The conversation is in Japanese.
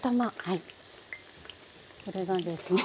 これがですね